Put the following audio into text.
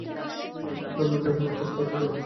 আমি জানতাম না এখানে কোড থাকবে।